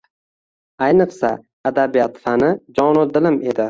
Ayniqsa, adabiyot fani jonu dilim edi